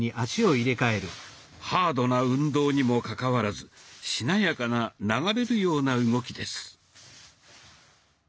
ハードな運動にもかかわらずしなやかな流れるような動きです。